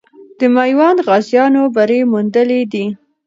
د میوند غازیانو بری موندلی دی.